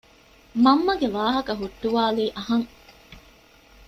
މަންމަގެ ވާހަކަ ހުއްޓުވާލީ އަހަން